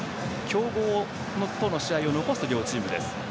強豪との試合を残す両チームです。